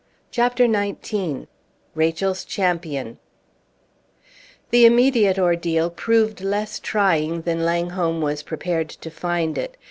CHAPTER XIX RACHEL'S CHAMPION The immediate ordeal proved less trying than Langholm was prepared to find it.